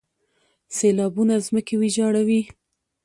سیلابونه ځمکې ویجاړوي.